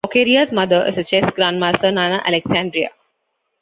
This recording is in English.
Bokeria's mother is the chess grandmaster Nana Alexandria.